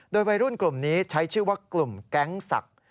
โดยวัยรุ่นกลุ่มนี้ใช้ชื่อว่ากลุ่มแก๊งศักดิ์